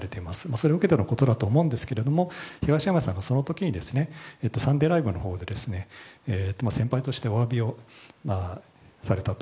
それを受けてのことだと思ってるですけど東山さんがその時に「サンデーＬＩＶＥ！！」で先輩としてお詫びをされたと。